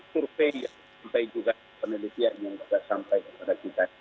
survei yang sampai juga ke penelitian yang sudah sampai kepada kita